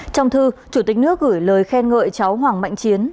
trong thư chủ tịch nước gửi lời khen ngợi cháu hoàng mạnh chiến